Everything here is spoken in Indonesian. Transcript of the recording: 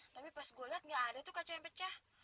tapi pas gue liat gak ada tuh kaca yang pecah